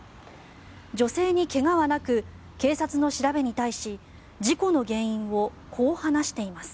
女性に怪我はなく警察の調べに対し事故の原因をこう話しています。